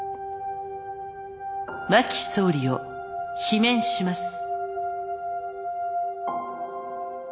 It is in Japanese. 真木総理を罷免します。